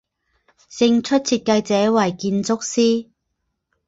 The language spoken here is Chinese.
胜出设计者为建筑师。